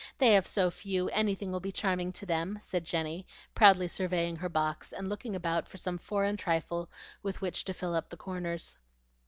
They have so few, anything will be charming to them," said Jenny, proudly surveying her box, and looking about for some foreign trifle with which to fill up the corners.